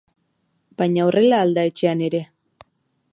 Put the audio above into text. Baina horrela al da etxean ere?